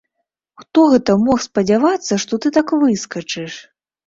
Хто гэта мог спадзявацца, што ты так выскачыш!